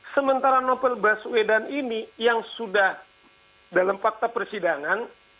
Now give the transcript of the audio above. sementara novel baswedan ini yang sudah dalam fakta persidangan